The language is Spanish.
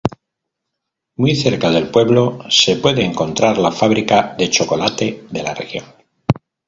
Muy cerca del pueblo se puede encontrar la fábrica de chocolate de la región.